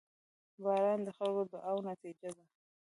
• باران د خلکو د دعاوو نتیجه ده.